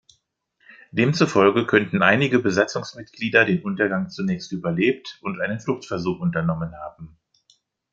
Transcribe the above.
Demzufolge könnten einige Besatzungsmitglieder den Untergang zunächst überlebt und einen Fluchtversuch unternommen haben.